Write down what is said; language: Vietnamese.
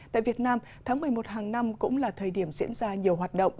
tại việt nam tháng một mươi một hàng năm cũng là thời điểm diễn ra nhiều hoạt động